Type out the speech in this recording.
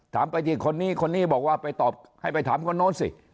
ถามไปที่คนนี้คนนี้บอกว่าไปตอบให้ไปถามคนโน้นสิ